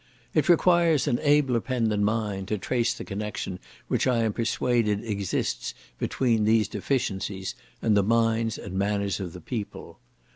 It requires an abler pen than mine to trace the connection which I am persuaded exists between these deficiencies and the minds and manners of the people.